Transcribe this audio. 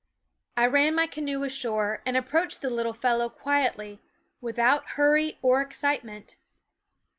I ran my canoe ashore and approached the little fellow quietly, without hurry or ex citement.